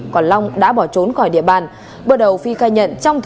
còn long đã bỏ trốn khỏi địa bàn